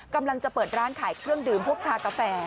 กำลังจะเปิดร้านขายเครื่องดื่มพวกชากาแฟ